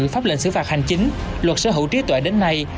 pháp lệnh xử phạt hành chính luật sở hữu trí tuệ đến nay